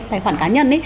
tài khoản cá nhân